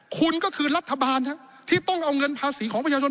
คุณก็คือรัฐบาลที่ต้องเอาเงินภาษีของประชาชน